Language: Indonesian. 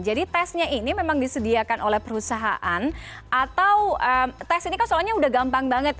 jadi tesnya ini memang disediakan oleh perusahaan atau tes ini kan soalnya udah gampang banget